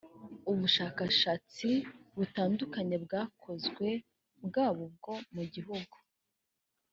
ubushakashatsi butandukanye bwakozwe bwaba ubwo mu gihugu